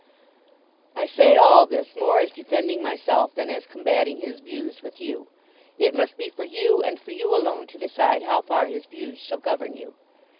I say all this more as defending myself than as combating his views with you. It must be for you and for you alone to decide how far his views shall govern you.